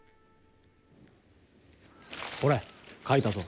ほれ書いたぞ。